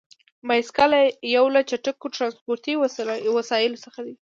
بایسکل یو له چټکو ترانسپورتي وسیلو څخه دی.